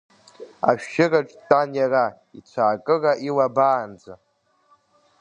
Ашәшьырҵаҿ дтәан иара, ицәаакыра илабаанӡа.